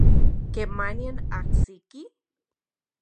¿Kemanian ajsiki?